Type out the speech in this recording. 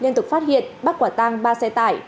liên tục phát hiện bắt quả tang ba xe tải